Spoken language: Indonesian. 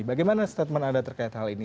bagaimana statement anda terkait hal ini